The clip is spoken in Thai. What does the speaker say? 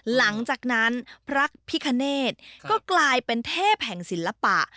หลังจากนั้นพระพิคเนธก็กลายเป็นเทพแห่งศิลปะ